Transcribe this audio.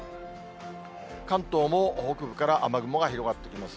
関東も北部から雨雲が広がってきます。